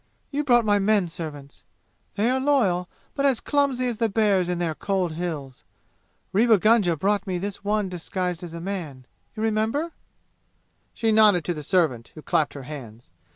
You brought my men servants! They are loyal, but as clumsy as the bears in their cold 'Hills'! Rewa Gunga brought me this one disguised as a man you remember?" She nodded to the servant, who clapped her hands.